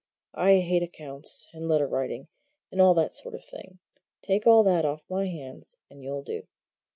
I hate accounts, and letter writing, and all that sort of thing take all that off my hands, and you'll do.